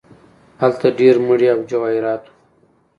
هلته ډیر مړي او جواهرات وو.